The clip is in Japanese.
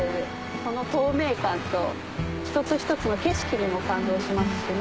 その透明感と一つ一つの景色にも感動しますしね。